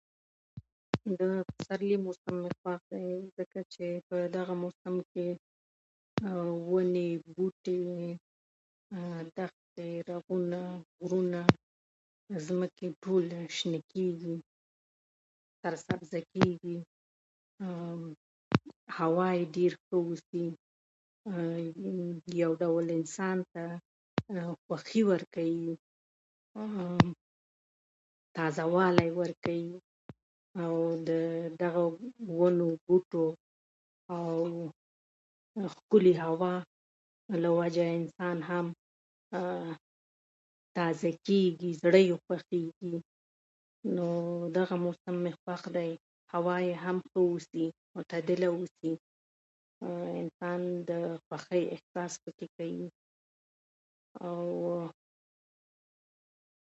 زموږ لاسته راوړنې